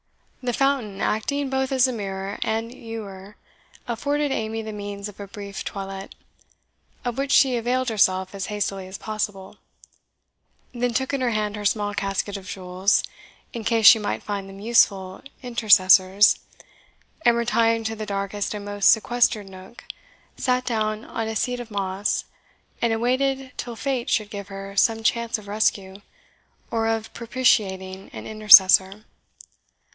The fountain, acting both as a mirror and ewer, afforded Amy the means of a brief toilette, of which she availed herself as hastily as possible; then took in her hand her small casket of jewels, in case she might find them useful intercessors, and retiring to the darkest and most sequestered nook, sat down on a seat of moss, and awaited till fate should give her some chance of rescue, or of propitiating an intercessor.